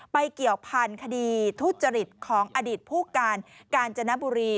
เกี่ยวพันธุ์คดีทุจริตของอดีตผู้การกาญจนบุรี